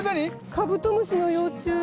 カブトムシの幼虫。